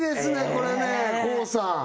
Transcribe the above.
これねＫＯＯさんえーっ！